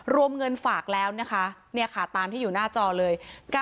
รวมเงินฝากแล้วนะคะเนี่ยค่ะตามที่อยู่หน้าจอเลย